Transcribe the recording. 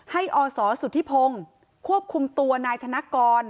อศสุธิพงศ์ควบคุมตัวนายธนกร